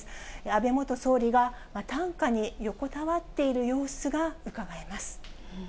安倍元総理が担架に横たわっている様子がうかがえます。